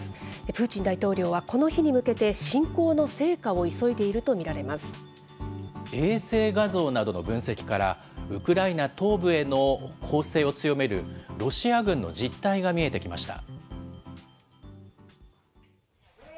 プーチン大統領はこの日に向けて、侵攻の成果を急いでいると見られ衛星画像などの分析から、ウクライナ東部への攻勢を強めるロシア軍の実態が見えてきました。